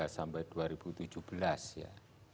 dua ribu dua belas sampai dua ribu tujuh belas ya